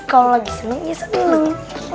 kalau lagi seneng ya seneng